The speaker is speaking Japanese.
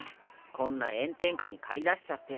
こんな炎天下に駆り出しちゃって。